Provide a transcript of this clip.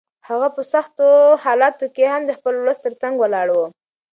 هغه په سختو حالاتو کې هم د خپل ولس تر څنګ ولاړ و.